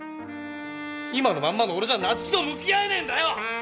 今のまんまの俺じゃ夏生と向き合えねえんだよ！